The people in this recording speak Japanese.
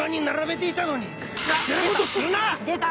出た！